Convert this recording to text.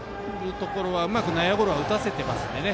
ところはうまく内野ゴロは打たせてますのでね。